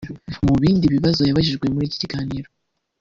Mu bindi bibazo yabajijwe muri iki kiganiro